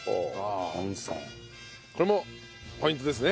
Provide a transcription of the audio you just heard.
これもポイントですね。